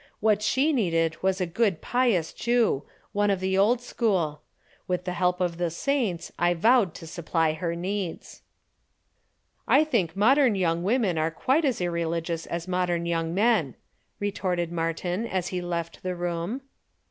What she needed was a good pious Jew, one of the old school. With the help of the saints I vowed to supply her needs. "I think modern young women are quite as irreligious as modern young men," retorted Martin, as he left the room.